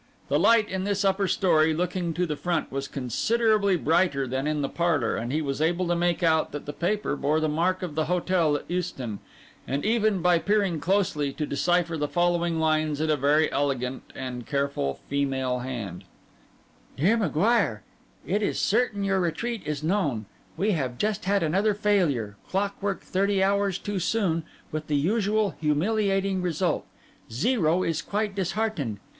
The light in this upper story looking to the front was considerably brighter than in the parlour; and he was able to make out that the paper bore the mark of the hotel at Euston, and even, by peering closely, to decipher the following lines in a very elegant and careful female hand: 'DEAR M'GUIRE,—It is certain your retreat is known. We have just had another failure, clockwork thirty hours too soon, with the usual humiliating result. Zero is quite disheartened.